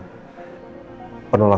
mama mau lihat